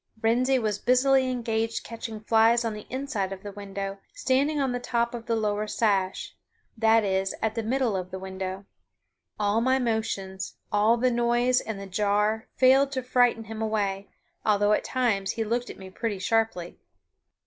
Wrensie was busily engaged catching flies on the inside of the window, standing on the top of the lower sash; that is, at the middle of the window. All my motions, all the noise and the jar failed to frighten him away, although at times he looked at me pretty sharply.